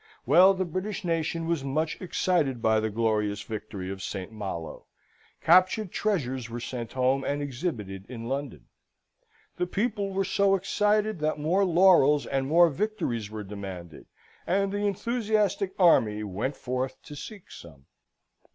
Well, the British nation was much excited by the glorious victory of St. Malo. Captured treasures were sent home and exhibited in London. The people were so excited, that more laurels and more victories were demanded, and the enthusiastic army went forth to seek some.